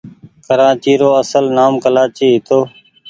ڪرآچي رو اسل نآم ڪلآچي هيتو۔